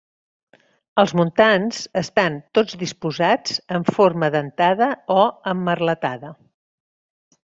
Els muntants estan tots disposats en forma dentada o emmerletada.